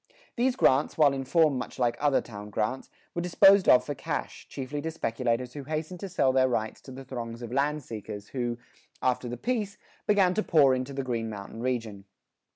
These grants, while in form much like other town grants, were disposed of for cash, chiefly to speculators who hastened to sell their rights to the throngs of land seekers who, after the peace, began to pour into the Green Mountain region.